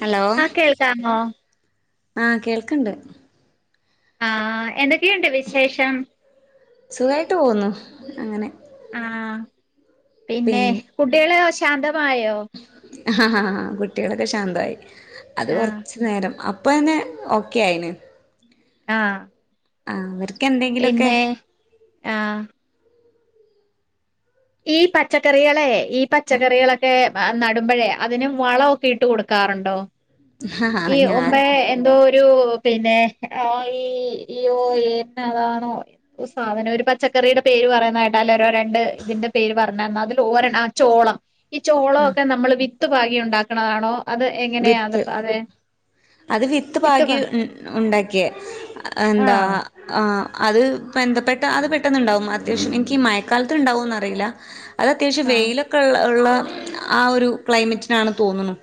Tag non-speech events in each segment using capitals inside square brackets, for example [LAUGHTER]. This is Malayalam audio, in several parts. ഹലോ ആഹ് കേൾക്കാമോ ആഹ കേൾക്കണ്ട് ആ എന്തൊക്കെയുണ്ട് വിശേഷം സുഖായിട്ട് പോകുന്നുു അങ്ങനെ ആ പിന്നെ പിൻ കുട്ടികളോ ശാന്തമായോ ആ കുട്ടികളൊക്കെ ശാന്തമായി അത് ആഹ് കൊറച്ച് എ നേരം അപ്പോം തന്നെ ഓക്കെയായി ണ് ആ ആ അവർക്ക് എന്തെങ്കിലുമൊക്കെ ആഹ ഈ പച്ചക്കറികളെ ഈ പച്ചക്കറികളൊക്കെ നടുമ്പഴേ അതിന് വളമൊക്കെ ഇട്ട് കൊടുക്കാറുണ്ടോ ഈ ആഹ് ഒമ്മ ഞാൻ എന്തോ ഒരു പിന്നെ [UNINTELLIGIBLE] എന്നതാണോ സാധനം ഒരു പച്ചക്കറിയുടെ പേര് പറയുന്നതായിട്ടാാല രോ രണ്ട് ഇതിന്റെ പേര് പറഞ്ഞന്ന അതിൽ ഓര ആ ചോളം ഈ ചോളമൊക്കെ നമ്മൾ വിത്ത് പാകി ഉണ്ടാക്കണതാണോ അത് എങ്ങനെയ അത വിത്ത് അതെ അത് വിത്ത് പാകി ഉണ്ടാക്കിയ എന്താ ആഹ് ആ അത് ബന്ധപ്പെട്ട അത് പെട്ടെന്നുണ്ടാവും അത്യാവശ്യം എനിക്ക് മഴക്കാലത്ത് ഉണ്ടാവോന്നറിയില്ല അത് അത്യാവശ്യം ആഹ് വെയിലൊക്കെ ഉള്ള ഉള്ള ആ ഒരു ക്ലൈമറ്റിനാണ് തോന്നുന്നു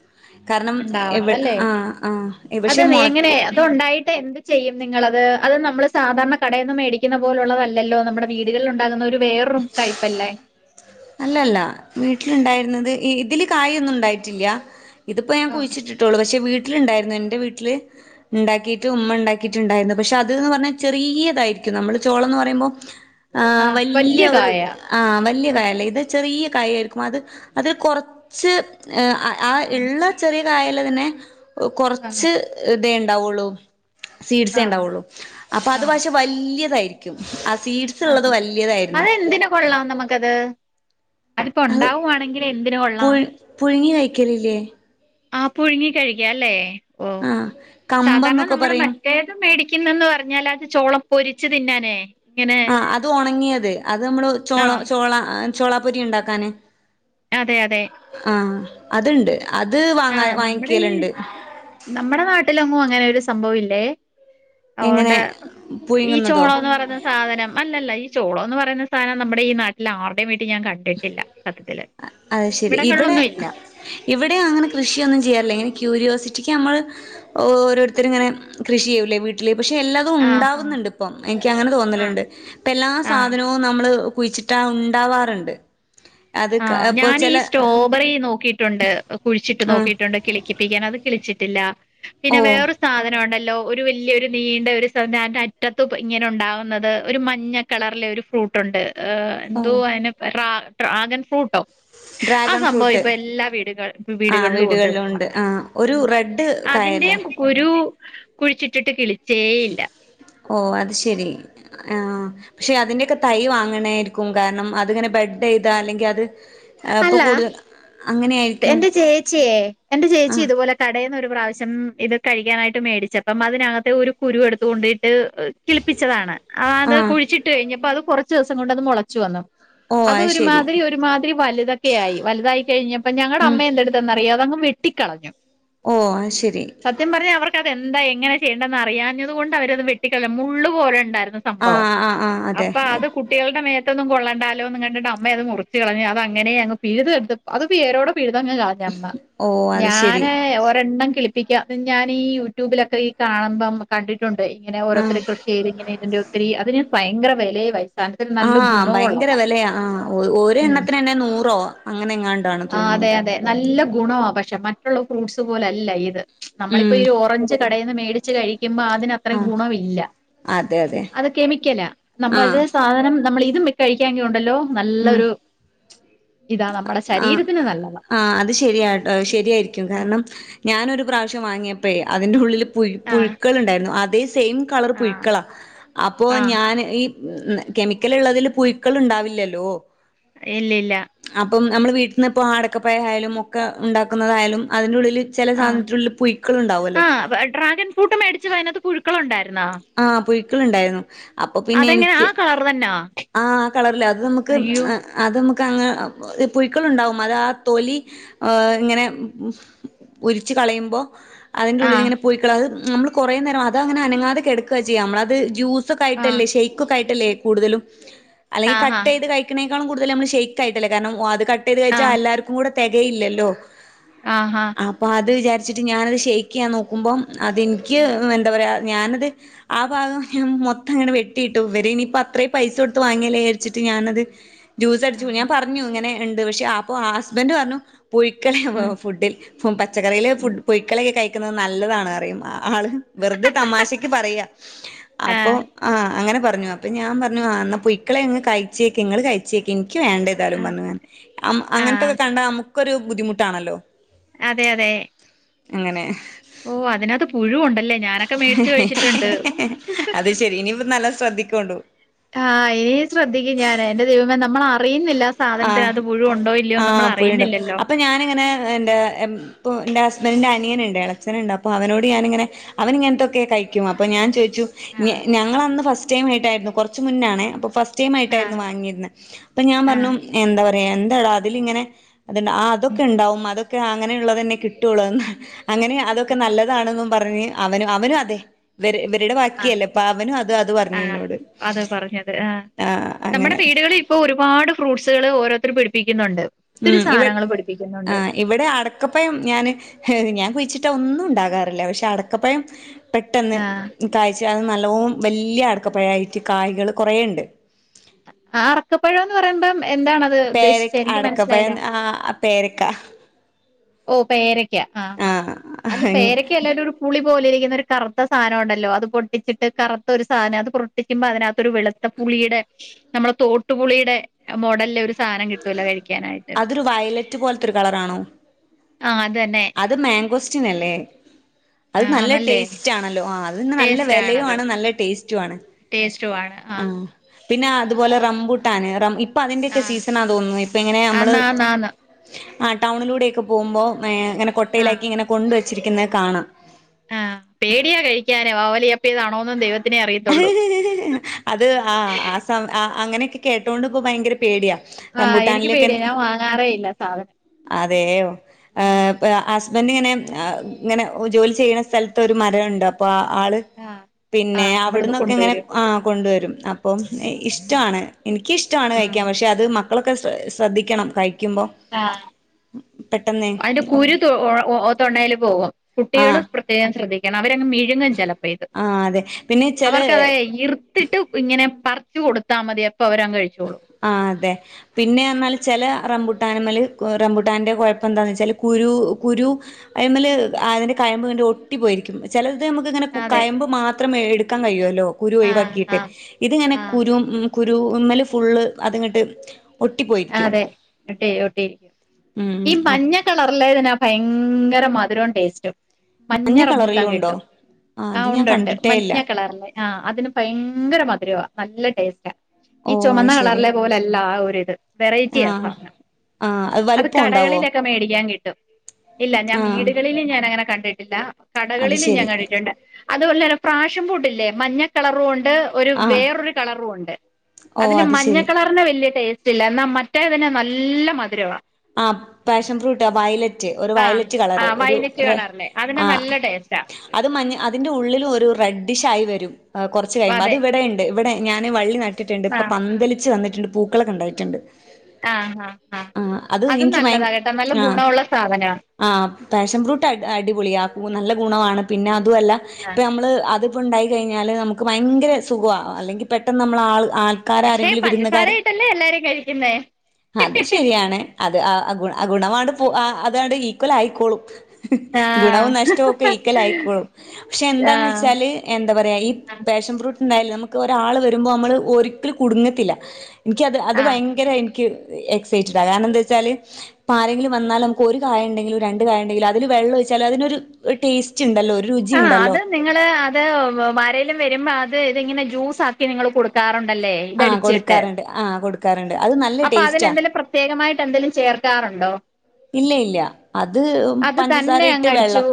കാരണം എവആ അത എങ്ങനെ അത് ഉണ്ടായിട്ട് എന്ത് ചെയ്യും നിങ്ങളത് അത് നമ്മള് സാധാരണ കടയിൽ നിന്നും മേടിക്കുന്ന പോലുള്ളതല്ലല്ലോ നമ്മുടെ വീടുകളിൽ ഉണ്ടാകുന്ന ഒരു വേറൊും ടൈപ്പല്ലേ അല്ലല്ല വീട്ടിലുണ്ടായിരുന്നത് ഇതില് കായൊന്നും ഉണ്ടായിട്ടില്ല ഇതിപ്പോ ഞാൻ ആഹ് കുഴിച്ചിട്ടിട്ടുള്ളൂ പക്ഷെ വീട്ടിലുണ്ടായിരുന്നു എൻ്റെ വീട്ടില് ഉണ്ടാക്കിയിട്ട് ഉമ്മ ഉണ്ടാക്കിയിട്ടുണ്ടായിരുന്നു പക്ഷെ അത എന്ന് പറഞ്ഞാൽ ചെറിയതായിരിക്കും നമ്മള് ചോളംന്ന് പറയുമ്പം ആ വല്യ ഒരു ആ വലിയ കായല്ലേ ഇത് ചെറിയ കായ ആയിരിക്കും അത് അതിൽ കൊറച്ച് ആ ആഹ് ഉള്ള ചെറിയ കായൽ തന്നെ ആഹ് കുറച്ച് ഇതേ ഉണ്ടാവുള്ളു സീഡ് ആഹ് സേണ്ടാവുള്ളൂ അപ്പൊ അത് ആഹ് വലിയതായിരിക്കും ആ സീഡ്സ് ഉള്ളത് വലിയതായിരിക്കും അതെന്തിന കൊള്ളാം നമുക്കത് അതിപ്പോ അത് ഉണ്ടാവുവാണെങ്കിൽ എന്തിനു കൊള്ളാം പുഴു പുഴുങ്ങി കഴിക്കലില്ലേ ആ പുഴുങ്ങി കഴിക്ക അല്ലേ ഓ ആഹ് സാധാരണ കമ്പംന്നൊക്കെ നമ്മള് പറയും മറ്റേ മേടിക്കുന്നന്ന് പറഞ്ഞാൽ അത് ചോളം പൊരിച്ച് തിന്നാനേ ഇങ്ങനെ ആ അത് ഉണങ്ങിയത് അത് നമ്മള് ആഹ് ചോളാപ്പൊരി ഉണ്ടാക്കാനെ അതെ അതെ ആഹ അത്ണ്ട് അത് ആഹ് വാങ്ങിക്കലുണ്ട് നമ്മുടെ നാട്ടിലൊങ്ങും അങ്ങനെ ഒരു സംഭവം ഇല്ലേ അതൊണ്ട് എങ്ങനെ ഈ പുഴുങ്ങുന്നതോ ചോളന്ന് പറയുന്നത് സാധനം അല്ല ഈ ചോളോ എന്ന് പറയുന്ന സാധനം നമ്മുടെ ഈ നാട്ടിൽ ആരുടെയും വീട്ടിൽ ഞാൻ കിട്ടില്ല സത്യത്തില് അത് ശരി ഇവിടെ ഇവിടങ്ങളൊന്നും ഇല്ല ഇവിടെ അങ്ങനെ കൃഷിയൊന്നും ചെയ്യാറില്ല. ഇങ്ങനെ ക്യൂരിയോസിറ്റിക്ക് നമ്മൽ ഓരോരുത്തർ ഇങ്ങനെ കൃഷി ചെയ്യൂലേ പക്ഷെ എല്ലാം ആഹ് ഉണ്ടാവുന്നുണ്ട് ഇപ്പ എനിക്ക്ങ്ങനെ ആഹ് തോന്നലണ്ട് എല്ലാ ആഹ് സാധനവും നമ്മള് കുഴിച്ചിട്ടാ ഉണ്ടാവാറുണ്ട്. അത് ക ആഹ ഇപ്പൊ ഞാൻ ഈ ചെല സ്ട്രോബെറി നോക്കിയിട്ടുണ്ട് കുഴിച്ചിട്ട് ആഹ് നോക്കിയിട്ടുണ്ട് കിളിപ്പിക്കാന അത് കിളിച്ചിട്ടില്ല ഓ പിന്നെ വേറൊരു സാധനം ഉണ്ടല്ലോ ഒരു വലിയ ഒരു നീണ്ട ഒരു സധനം അറ്റത്ത് ഇങ്ങനെ ഉണ്ടാകുന്നത് ഒരു മഞ്ഞ കളറിലെ ഒരു ഫ്രൂട്ട്ണ്ട് ഓ എന്തോ റഗൻ ഫ്രൂട്ടോ ആ ഡ്രാഗൺ സംഭവം ഫ്രൂട്ട് ഇപ്പൊ എല്ലാ ആഹ് വീടുകളിലും ഉണ്ട് വീടുകളിലുണ്ട് ആഹ് ഒരു റെഡ് കായല്ലേ അതിന്റെയും കുരു കുഴിച്ചിട്ടിട്ട് കിളിച്ചേയില്ല ഓ അത് ശെരി ആ പക്ഷെ അതിൻ്റെക്കെ തൈ വാങ്ങണായിരിക്കും കാരണം അത്ങ്ങനെ ബ്രെഡ് ചെയ്താ അല്ലെങ്കിൽ അത് ഇപ്പൊ അല്ല കൂടുതൽ അങ്ങനെയായിരിക്കും എന്റെ ചേച്ചിയേ ആഹ് ഇതുപോലെ കടയിൽന്ന ഒരു പ്രാവശ്യം ഇത് കഴിക്കാനായിട്ട് മേടിച്ച അപ്പം അതിനകത്തെ ഒരു കുരുവ എടുത്തു കൊണ്ടിട്ട് കിളിപ്പിച്ചതാണ് അത് ആഹ് കുഴിച്ചിട്ട് കഴിഞ്ഞപ്പോ അത് കുറച്ച് ദിവസം കൊണ്ട് അത് മുളച്ചു വന്നു ഓ അത് ശരി ഒരുമാതിരി വലുതൊക്കെ ആയി വലുതായി കഴിഞ്ഞപ്പ ഞങ്ങളുടെ ഉം അമ്മ എന്തെടുത്തന്നറിയോ അതങ് വെട്ടിക്കളഞ്ഞു ഓ ആ ശരി സത്യം പറഞ്ഞാൽ അവർക്കതെന്താ എങ്ങനെ ചെയ്യണ്ടെന്ന് അറിയഞ്ഞത് കൊണ്ട് അവരത് വെട്ടിക്കളഞു മുള്ള് പോലെ ഉണ്ടായിരുന്നു സംഭവം ആഹ് ആഹ് ആഹ് അതെ അപ്പൊ അത് കുട്ടികളുടെ മേത്തൊ ഒന്നും കൊള്ളണ്ടാലോന്ന് കണ്ടിട്ട് അമ്മയ അത് മുറിച്ച കളഞ്ഞു അങ്ങനെ അങ് പിഴുതെടുത്ത് അത് പേരോടെ പിഴുതങ് ഓ അത് ശരി ഞാന് ഒരെണ്ണം ഞാൻ ഈ യൂട്യൂബിലൊക്കെ ഈ കാണുമ്പം കണ്ടിട്ടുണ്ട് ഇങ്ങനെ ആഹ് ഓരോരു കൃഷിയിരി ഇങ്ങനെ ഇതിന്റെ അത് ഞാൻ ഭയങ്കര വിലയ ആഹ ഭയങ്കര വിലയാ ആ ഒരു ഉം എണ്ണത്തിന്ന്നെ നൂറോ അങ്ങനെങ്ങാ ആ അതെ നല്ല ഗുണമാണ് പക്ഷെ മറ്റുള്ള ഫ്രൂട്ട്സ് പോലല്ല ഇത് നമ്മളിപ്പോ ഉം ഓറഞ്ച് കടയിൽന്ന് മേടിച്ചച്ച് കഴിക്കുമ്പോ അതിനത്ര ആഹ് ഗുണമില്ല അതെ അതെ അത് കെമിക്കലാ നമ്മ ആഹ് അതി സാധനം നമ്മൾ ഇതും കഴിക്കാ ഉണ്ടല്ലോ ഉം നല്ലൊരു ഇതാ നമ്മുടെ ശരീരത്തിന് നല്ലതാണ്. ആ അത് ശരിയ ശരിയായിരിക്കും കാരണം ഞാനൊരു പ്രാവശ്യം വാങ്ങിയപ്പോ അതിന്റെറെ ഉള്ളിൽ ആഹ് പുഴുക്കൾ ഉണ്ടായിരുന്നു അതേ സെയിം കളർ പുഴുക്കളാ അപ്പോൾ ആഹ് ഞാൻ കെമിക്കൽ ഉള്ളതിൽ പുഴക്കൾ ഉണ്ടാവില്ലല്ലോ ഇല്ല ഇല്ല അപ്പം നമ്മൾ വീട്ടിൽ നിന്ന് ഇപ്പൊ ആടക്കപ്പഴ ആയാലും ഒക്കെ ഉണ്ടാക്കുന്നതായാലും അതിൻ്റെ ഉള്ളിൽ ചില സാധനത്തിലുള്ള പൊഴ്ക്കൽ ഉണ്ടാവുമല്ലോ ഡ്രാഗൻ കൂട്ടം മേടിച്ച് അതിനകത്ത് കുഴുക്കളുണ്ടായിരുന്നോ ആഹ് പുഴുക്കൾണ്ടായിരുന്നു അപ്പൊ പിന്നെ ഇങ്ങനെ ആ എനിക്ക് കളർ തന്നാ ആ ആ കളറല്ലേ അത് നമുക്ക് അത് നമുക്ക് അങ്ങ പുഴുക്കളുണ്ടാവും അതാ ആ തൊലി ആഹ് ഇങ്ങനെ ഉരിച്ച് കളയുമ്പോ അതിന്റെ ഉള്ളിൽ ആഹ് ഇങ്ങനെ പോയിക്ക അത് നമ്മള് കുറേ നേരം അങ്ങനെ അനങ്ങാതെക്കുക ചെയ്യാം നമ്മളത് ജ്യസ് ജൂസ് ഒക്കെ ആഹ് ആയിട്ടില്ലെ ഷെയ്ക്ക് ആയി കൂടുതലും അല്ലെങ്കിൽ ആഹാ കട്ട് ചെയ്ത് കഴി ക്കിനേക്കാും കൂടുതൽ നമ്മള് ഷെയ്ക്ക് ആയിട്ടല്ലേ കാരണം അത് കട്ട് ചെയ്ത് കഴിച്ചാൽ ആഹ് എല്ലർക്കും കൂടെ തികയില്ലല്ലോ ആഹ് ആഹ് അപ്പൊ അത് വിചാരിച്ചിട്ട് ഞാനത് ഷേക്ക് ചെയാൻ നോക്കുമ്പം അത് എനിക്ക് എന്താ പറയാ ഞാനത് ആ ഭാഗം ഞാൻ മൊത്തം ഇങ്ങനെ വെട്ടിയിട്ടു ഇവര് ഇനി ഇയിപ്പോ അത്രേയും പൈസ കൊടുത്ത് വാങ്ങിയല്ലേ വിചാരിച്ചിട്ട് ഞാനത് ജ്യൂസ് അടിച്ചു ആഹ് ആഹ് ഞാൻ പറഞ്ഞു ഇങ്ങനെ ഉണ്ട് പക്ഷെ അപ്പൊ ആ ഹസ്ബൻഡറ് പറഞ്ഞു പുഴുക്കളെ ഉം ഫുഡിൽ. ഈ പച്ചക്കറി ഉം പുഴുക്കളെ കഴി ക്കുന്നത് നല്ലതാണ് പറയും. ആള് വെറുതെ തമാശയ്ക്ക് പറയാ അപ്പൊ ആഹ് അങ്ങനെ പറഞ്ഞു അപ്പൊ ഞാൻ പറഞ്ഞു ആ പുയ്ക്കളെങ്ങ് കഴിച്ചേക്ക്. ഇങ്ങള് കഴി ച്ചേക്ക്. എനിക്ക് വേണ്ട ഏതായാലും, പറഞ്ഞു ഞാൻ. ആഹ് അങ്ങനത്തൊക്കെ കണ്ടാ നമുക്കൊരു ബുദ്ധിമുട്ടാണല്ലോ അതെ അതെ അങ്ങനെ ഓ അതിനകത്ത് പുഴു ഉണ്ടല്ലേ ഞാനൊക്കെ മേടിച്ച് കഴിച്ചിട്ടുണ്ട്. അത് ശരി ഇനിയിപ്പോൾ നല്ല ശ്രദ്ധിക്കോണ്ടു ആഹ് ഇനി ശ്രദ്ധിക്കും ഞാൻ. എന്റെ ദൈവമേ നമ്മള് അറിയുന്നില്ല ആഹ് ആഹ്. പുയുണ്ടാവും നമ്മളറിയുന്നില്ലല്ലോ. അപ്പൊ ഞാനിങ്ങനെ എന്റെ ഇപ്പോൾ എൻ്റെ ഹസ്ബൻഡൻ് അനിയനുണ്ട് ഇളയച്ചനുണ്ട്. അപ്പോൾ അവനോട് ഞാനിങ്ങനെ അവൻ ഇങ്ങനത്തൊക്കെ കഴിക്കും അപ്പൊ ഞാൻ ചോദിച്ചു ആഹ് ഞങ്ങള് അന്ന് ഫസ്റ്റ് ടൈം ആയിട്ടായിരുന്നു. കുറച്ച് മുന്നേ ആണേ. അപ്പോ ഫസ്റ്റ് ടൈം ആഹ് ആയിട്ടായിരുന്നു വാങ്ങിയിരുന്നത്. അപ്പൊ ഞാൻ ആഹ് പറഞ്ഞു. എന്താ പറയാ എന്താടാ അതിലിങ്ങനെ അ ഉം അതൊക്കെ ഉണ്ടാവും അതൊ അങ്ങനെയുള്ളതന്നെ കിട്ടുള്ളൂന്നു. അങ്ങനെ അതൊക്കെ നല്ല ഫ്രഷാണെന്നും പറഞ്ഞ് അവന് അവനും അതെ ഇവരുടെ ആഹ് ബാക്കിയല്ലേ അപ്പൊ അവനും അത് അത് പറഞ്ഞു എന്നോട് ആ ആഹ് നമ്മുടെ അങ്ങനെ വീടുകളിൽ ഇപ്പൊ ഒരുപാട് ഫ്രൂട്ട്സുകൾ ഓരോരുത്തരും പിടിപ്പിക്കുന്നുണ്ട് ഒത്തിരി ഉം ഇവ സാധനങ്ങൾ ആ പിടിപ്പിക്കുന്നുണ്ട്. ഇവിടെ അടക്കപ്പഴം ഞാൻ, ഞാൻ കുഴിച്ചിട്ടാ ഒന്നും ഉണ്ടാകാറില്ല. പക്ഷെ അടക്കപ്പഴം പെട്ടെന്ന് ആഹ് കായ്ച്ച. അത് നല്ലോണം, വലിയ അടക്കപ്പഴായിട്ട് കായ്കൾ കുറയുണ്ട് അടക്കപ്പഴം എന്ന് പറയുമ്പം എന്താണ് അത് പേരക്ക. അടക്കപ്പഴം. ഹ്ഹ് പേരക്ക ഓ പേരക്ക. ആ ആ അല്ല പേരക്ക അല്ലേല്ലും പുളി പോല ഇരിക്കുന്ന ഒരു കറുത്ത സാധനമാണല്ലോ. അത് പൊട്ടിച്ചിട്ട് കറുത്ത ഒരു സാധനം അത് പൊട്ടിച്ചുമ്പോ അതിനകത്തൊരു വെളുത്ത പുളിയുടെ, നമ്മളെ തോട്ടുപുളിയുടെ മോഡലില് ഒരു സാധനം കിട്ടുവല്ലോ. കഴിക്കാനായിട്ട് ഒരു വയലറ്റ് പോലത്തെ ഒരു കളറാണോ ആഹ് അത് തന്നെ അത് മാങ്കോസ്റ്റിനല്ലേ അത് ആഹ് നല്ല നല്ലേ ടേസ്റ്റ് ആണല്ലോ. ആ അതിന്ന് നല്ല ടേസ്റ്റ് വിലയും ആണ്. നല്ല ടേസ്റ്റും ആണ്. സ്റ്റുമാണ് ആഹ് പിന്നെ അതുപോലെ റംബൂട്ടാൻ ഇപ്പം അതിൻ്റെ ആഹ് സിസണാന്ന് തോന്നുന്നു. ഇപ്പം ഇങ്ങനെ നമ്മള് ആന്ന് ആന്ന് ആന്ന് ആ ടൗണിലൂടെ ഒക്കെ പോകുമ്പോളിങ്ങനെ ആഹ് കൊട്ടയിലാക്കി ഇങ്ങനെ കൊണ്ടുവെച്ചിരിക്കുന്നത് കാണാം ആഹ് പേടിയാ കഴിക്കാനേ. വാവൽ ചപ്പിയതാണോന്നും ദൈവത്തിനെ അറിയത്തുള്ളൂ അത് ആ ആ അങ്ങനെയൊക്കെ കേട്ടൊണ്ട് ഇപ്പോ ഭയങ്കര പേടിയാ. ആഹ് എനിക്ക് പേടിയ. റംബൂട്ടാനിലൊക്കെ ഞാൻ വാങ്ങാറേ ഇല്ല സാധനം അതെയോ ഉം ഹോ അസ് ഹസ്ബൻഡ് ഇങ്ങനെ. ഇങ്ങനെ ജോലി ചെയ്യുന്ന സ്ഥലത്ത് ഒരു മരമുണ്ട്. അപ്പോൾ ആ ആള് ആഹ് പിന്നെ ആഹ് അവിടുന്ന് അവിടന്നൊക്കെ ഇങ്ങനെ- കൊണ്ടുവരും ആഹ് കൊണ്ടുവരും അപ്പം ഇഷ്ടമാണ് എനിക്കിഷ്ടമാണ് ഉം കഴിക്കാൻ പക്ഷെ അത്- ഇത് മക്കളൊക്കെ ശ്രദ്ധിക്കണം കഴിക്കുമ്പോ ആഹ് പെട്ടെന്ന് അതിന്റെ കുരു തൊ ഒ - തൊണ്ടയിൽ പോകും കുട്ടികള് ആഹ് പ്രത്യേകം ശ്രദ്ധിക്കണം അവര് അങ്ങ് - വിഴുങ്ങും ചെലപ്പോ ഇത്‌ ആഹ് അതെ പിന്നെ അവർക്കതെ ചെല ഇറു - എടുത്തിട്ട് ഇങ്ങനെ പറിച്ച് കൊടുത്താൽ മതി അപ്പ അവര് കഴിച്ചോളും ആഹ് അതെ പിന്നെ എന്നാല് ചെല റംബുട്ടാനുമേല് റബുട്ടാന്റെ കൊഴപ്പം എന്താന്ന് വെച്ചാല് കുരു കുരു- അയിമേല് ഉം. അതിൻ്റെ കയമ്പ് കണ്ട് ഒട്ടിപ്പോയിരിക്കും ചിലത് നമുക്കിയിങ്ങനെ അതെ കയമ്പ് മാത്രം- മാത്രം എടുക്കാൻ കഴിയുമല്ലോ കുരു ആഹ് ഒഴിവാക്കിയിട്ട് ആഹ് ഇതിങ്ങനെ ആഹ് കുരു കുരു- ഫുള്ള് അതിങ്ങട്ട് ആഹ് അതെ ഒട്ട ഒട്ടിരിക്കും ഉം ഈ അപ് മഞ്ഞ- ഈ കളറിലെ ഇതിനാ ഭയങ്കര മധുരവും ടേസ്റ്റും മഞ്ഞ റബൂട്ടാൻ കളറിലും ഉണ്ടോ കിട്ടും അത് ആഹ് ഞാൻ ഒണ്ട് ഒണ്ട് കണ്ടിട്ടേ ഇല്ല മഞ്ഞ കളറിലെ ആഹ അതിന് ഭയങ്കര മധുരവാ നല്ല ടേസ്റ്റാ ഓ ഈ അത് ചൊമന്നാ ശരി കളറിലെ പോലല്ല ആ ഒരിത് വെറൈറ്റിയാ ആഹ് സാധനം ആഹ് അത് വലുപ്പം ഉണ്ടാവോ കടകളിലൊക്കെ മേടിക്കാൻ കിട്ടും ഇല്ല ഞാൻ ആഹ് വീടുകളിലും ഞാൻ അങ്ങനെ കണ്ടിട്ടില്ല അത് കടകളിലും ഞാൻ ശരി കണ്ടിട്ടുണ്ട് അത് ഒരു തരം പ്രാഷ്യം ബുട്ടില്ലേ മഞ്ഞ കളറുംയുണ്ട് - ഒരു ആഹ് വേറൊരു കളറുയുണ്ട് ഓ അതില് അത് മഞ്ഞ ശരി കളർ- വലിയ ടേസ്റ്റ് ഇല്ല എന്നാ മറ്റേയതിന് നല്ല മധുരമാ ആ പാഷൻ ഫ്രൂട്ട് വയല- ഒരു ആഹ് വയലറ്റ് കളറ് ആഹ് ഒരു വൈലറ്റ് റെ കളറിലെ അതിന് നല്ല ആഹ് ടേസ്റ്റാ അത് മഞ്ഞ് അതിന്റെ ഉള്ളില് ഒരു റെഡ് ഡിഷ് ആയി വരും കൊറച്ച് കഴിയുമ്പോ അത് അതെ ഇവിടെ ഇണ്ട - ഇവിടെ ഞാന് വള്ളി നട്ടിട്ടുണ്ട് ഇപ്പൊ ആഹ് പന്തലിച്ചു വന്നിട്ടുണ്ട് പൂക്കളൊക്കെ ഒണ്ടായിട്ടുണ്ട് ആഹ് ആഹ് ആഹ് അതും നല്ലതാ കേട്ടോ നല്ല ഗുണമുള്ള സാധനമാ ആഹ് പാഷൻ ഫ്രൂട്ട് അടിപൊളിയ നല്ല ഗുണമാണ് പിന്നെ അതുമല്ല ഇപ്പ ആഹ് നമ്മള് അത്- ഇപ്പ ഉണ്ടായി കഴിഞ്ഞാൽ നമുക്ക് ഭയങ്കര സുഖമാ അല്ലെങ്കിൽ പെട്ടെന്ന് നമ്മള് ആൾ ആ- ആൾക്കാര് പക്ഷെ ആരെങ്കിലും പഞ്ചസാര വിരുന്നുകാര് ഇട്ടല്ലേ എല്ലാരും കഴിക്കുന്നേ അത് ശരിയാണ് അത് ഗുണമാണ് അതങ്ങാട് ഈക്വൽ ആയിക്കോളും ആഹ് ഗുണവും നഷ്ടവും ഒക്കെ ഈക്വൽ ആയിക്കോളും പക്ഷെ എന്താന്ന് ആഹ് വെച്ചാല്- എന്താ പറയാ ഈ പാഷൻ ഫ്രൂട്ട് ഉണ്ടായാല് നമുക്ക് ഒരാള് വരുമ്പോ നമ്മള് ഒരിക്കലും കുടുങ്ങത്തില്ല എനിക്ക്ത് അത് ആഹ് ഭയങ്കര എനിക്ക് എക്സൈറ്റഡാണ് കാരണം എന്താ വെച്ചാല്- ഇപ്പ ആരെങ്കിലും വന്നാല് നമുക്ക് ഒരു കായ ഇണ്ടെങ്കിലും രണ്ട് കായ ഇണ്ടെങ്കിലും അതില് വെള്ളം ഒഴിച്ചാൽ അതിനൊരു ടേസ്റ്റ് ഇ ണ്ടല്ലോ ഒരു- ആഹ് രുചിയുണ്ടല്ലോ അത് നിങ്ങള് അത് ആരേലും വരുമ്പോ അത് ഇതിങ്ങനെ ജ്യൂസ് ആക്കി നിങ്ങള് കൊടുക്കാറുണ്ടല്ലേ ആഹ് ഇതടിച്ചിട്ട് കൊടുക്കാറുണ്ട് ആഹ് കൊടുക്കാറുണ്ട് അത് നല്ല അപ്പൊ ടേസ്റ്റാ അതിനെന്തേലും പ്രത്യേകമായിട്ട് എന്തേലും ചേർക്കാറുണ്ടോ ഇല്ല ഇല്ല അത് അത് തന്നെ അങ്ങ് പഞ്ചസാരയിട്ട് അടിച്ചു വെള്ളം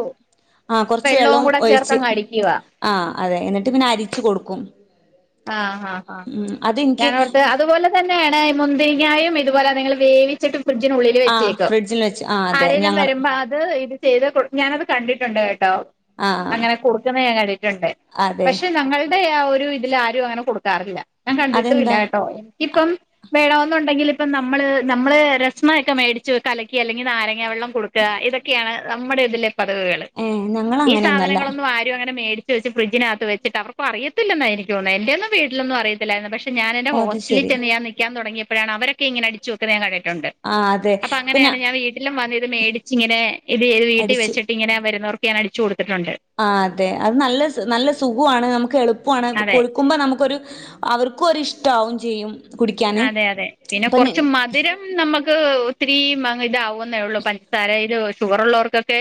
ആ കൊറച്ച് വെള്ളവും കൂടെ ഒഴിച്ച് ചേർത്തങ്ങ് അടിക്കുവാ ആഹ് അതെ എന്നിട്ട് പിന്നെ അരിച്ചു കൊടുക്കും ആഹ് ആഹ് ആഹ് ഉം അതെനിക്ക് ഞാൻ അവിടുത്തെ അതുപോലെ- തന്നെയാണ് മുന്തിരിങ്ങായും ഇതുപോലെ നിങ്ങള് വേവിച്ചിട്ട്- ഫ്രിഡ്ജിനുള്ളിൽ ആ വെച്ചേക്കും ഫ്രിഡ്ജിൽ വെച്ച് ആ അതെ ആരെലും ഞങ്ങൾ വരുമ്പോ അത് ഇത്- ചെയ്ത് കൊടുത്ത് ഞാനത് കണ്ടിട്ടുണ്ട് കേട്ടോ ആ അങ്ങനെ കൊടുക്കുന്നത് ഞാൻ കണ്ടിട്ടുണ്ട് അതെ പക്ഷെ ഞങ്ങളുടെ ആ ഒരു ഇതില് - ആരും അങ്ങനെ കൊടുക്കാറില്ല ഞാൻ കണ്ടിട്ടും ഇല്ല അതെന്താ കേട്ടോ ഇപ്പം - വേണമെന്നുണ്ടെങ്കിൽ ഇപ്പം നമ്മള് നമ്മള് രസ്മയൊക്കെ മേടിച്ച് കലക്കി അല്ലെങ്കിൽ നാരങ്ങ വെള്ളം കൊടുക്ക- ഇതൊക്കെയാണ് നമ്മുടെ ഇതിലെ പതിവുകള് ഏ ഈ ഞങ്ങളങ്ങനെയൊന്നല്ല സാധനങ്ങളൊന്നും ആരും അങ്ങനെ മേടി- വേടിച്ചു വച്ച് ഫ്രഡ്ജിനകത്ത് വച്ചിട്ട് അവർക്ക് അറിയത്തില്ലന്ന എനിക്ക് തോന്നുന്നേ എന്റെ ഒന്നും വീട്ടിലൊന്നും അറിയത്തില്ല - യി പക്ഷെ ഞാൻന്റെ ഓ അത് ഹോസ്റ്റലിൽ ശരി ചെന്ന് ഞൻ നിൽക്കാൻ തുടങ്ങിയപ്പോഴാണ് അവരക്കെ ഇങ്ങനെ അ ചൂക്കനൻ കണ്ടിട്ടുണ്ട് ആ അതെ അപ്പൊ ഇപ്പൊ ഞാ അങ്ങനെയാണങ്കി ഞാൻ വീട്ടിലും വന്ന ഇത് മേടിച്ച് ഇങ്ങനെ ഇത് ഇത് വീട്ടിൽ അടിച്ച് വെച്ചട്ടിങ്ങനെ വരുന്നവർക്ക് ഞാൻ അടിച്ചു കൊടുത്തിട്ടുണ്ട് ആഹ് അതെ അത് നല്ല നല്ല സുഖമാണ് നമുക്ക് എളുപ്പമാണ് അതെ ക്കുമ്പോം നമുക്കൊരു അവർക്കും ഒരി ഇഷ്ടമാവും ചെയ്യും കുടിക്കാന് അതെ അതെ പിന്നെ ഇപ്പൊ കുറച്ച് മധുരം നമുക്ക് ഒത്തിരി ഇതാവുന്നേ ഉള്ളൂ പഞ്ചസാരൽ ഷുഗർ ഉള്ളവർക്കൊക്കെ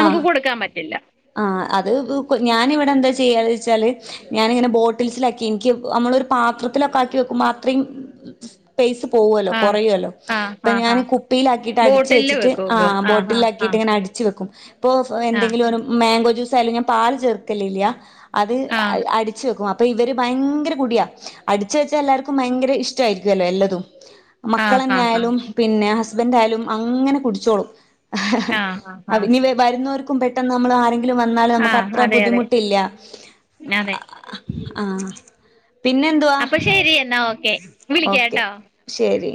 ആ കൊടുക്കാൻ പറ്റില്ല ആഹ് അത് ഞാന ഇവിടെ എന്താ ചെയ്യാന്ന് വെച്ചാല് ഞാാനിങ്ങനെ ബോട്ടിൽസിലാക്കി എനിക്ക് നമ്മളൊ ഒരു പാത്രത്തിലൊക്കെ ആക്കി വെക്കുമ്പ അത്രേയും പൈസ പോവല്ലോ ആ കൊറയൊല്ലോ ആ അപ്പ ആ ആ ഞാന് കുപ്പയിലാക്കിയിട്ട് അടിച്ചു ബോട്ടിലില് വെച്ചിട്ട് വെക്കുവോ ആഹ് ആ ആ ആ ബോട്ടിലാക്കിട്ട് ഇങ്ങനെ അടിച്ചു വെക്കും ഇപ്പൊ ആ എന്തെങ്കിലും ഒരു മാങ്കോ ജ്യൂസായാലും ഞാൻ പാല് ചേർക്കലില്ല അത് ആ അടിച്ച് വെക്കും അ അപ്പൊ ഇവര് ഭയങ്കര കുടിയാ അടിച് വെച്ചാൽ എല്ലാവർക്കും ഭയങ്കര ഇഷ്ടമായിരിക്കുമല്ലോ എല്ലാതും ആ ആ ആ മക്കളെന്നായാലും പിന്നെ ഹസ്ബൻഡ ആയാലും അങ്ങനെ കുടിച്ചോളും ആഹ് ആഹ് ആഹ് ഇനി വരുന്നൊർക്കും പെട്ടെന്ന് നമ്മൾ ആരേം രു വന്നാലും നമുക്ക് ആഹ് അത്ര അതെ അതെ ബുദ്ധിമുട്ടില്ല അതെ ആഹ് പിന്നെന്തുവാ അപ്പൊ ശരി എന്നാ ഓക്കെ ഓക്കെ വിളിക്കാട്ടോ ശരി